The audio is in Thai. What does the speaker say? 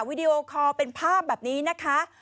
วิดีโอคอลเป็นภาพแบบนี้นะคะ